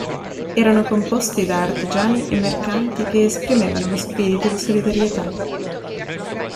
Erano composti da artigiani e mercanti che esprimevano lo spirito do solidarietà.